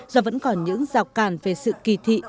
do vẫn còn những rào cản về sự kỳ thị